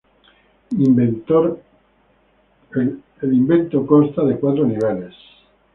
Inventor consta de cuatro niveles.